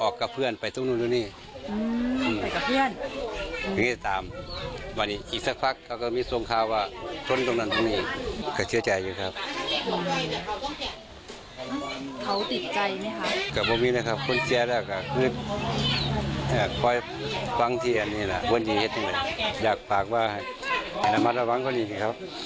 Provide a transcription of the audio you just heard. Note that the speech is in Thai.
คืออยากปล่อยวางที่แบบนี้แหละอยากปากว่าไทยสม่ายแหนมัดไปปล่อยความต้องดี